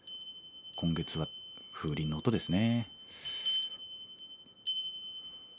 今月は風鈴の音ですね。